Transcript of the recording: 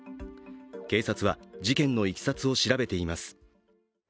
警察は事件のいきさつを調べています。